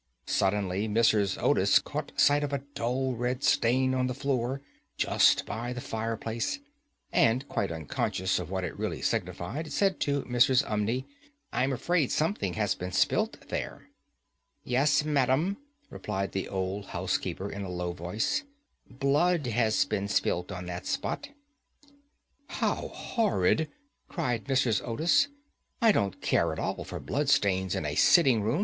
Suddenly Mrs. Otis caught sight of a dull red stain on the floor just by the fireplace, and, quite unconscious of what it really signified, said to Mrs. Umney, "I am afraid something has been spilt there." "Yes, madam," replied the old housekeeper in a low voice, "blood has been spilt on that spot." [Illustration: "BLOOD HAS BEEN SPILLED ON THAT SPOT"] "How horrid!" cried Mrs. Otis; "I don't at all care for blood stains in a sitting room.